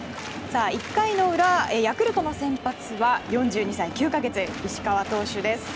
１回の裏、ヤクルトの先発は４２歳９か月、石川投手です。